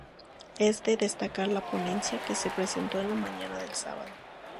es de destacar la ponencia que se presentó en la mañana del sábado